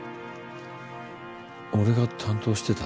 俺が担当してた？